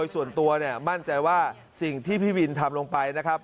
ส่วนตัวเนี่ยมั่นใจว่าสิ่งที่พี่วินทำลงไปนะครับ